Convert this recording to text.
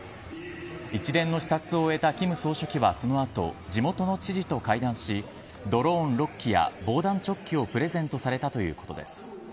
一連の視察を終えた金総書記はその後地元の知事と会談しドローン６機や防弾チョッキをプレゼントされたということです。